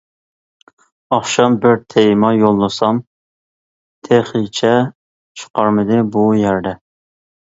ئاخشام بىر تېما يوللىسام تېخىچە چىقارمىدى، بۇ يەردە.